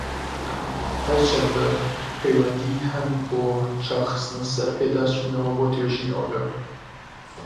هەرچەندە، پەیوەندی هەن بۆ چاو خستنە سەر پێداچونەوە بۆ توێژینەوەکە.